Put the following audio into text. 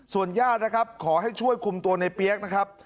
ส่วนญาตินะครับขอให้ช่วยคุมตัวในเปี๊ยกนะครับ